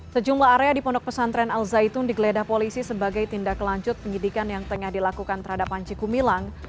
sejumlah area di pondok pesantren al zaitun digeledah polisi sebagai tindak lanjut penyidikan yang tengah dilakukan terhadap panji gumilang